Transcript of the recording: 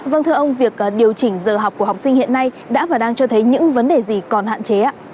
vâng thưa ông việc điều chỉnh giờ học của học sinh hiện nay đã và đang cho thấy những vấn đề gì còn hạn chế ạ